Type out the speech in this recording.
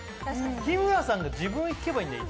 日村さんが自分引けばいいんだよ。